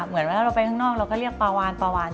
เหมือนเมื่อเราไปข้างนอกเราก็เรียกปาวาน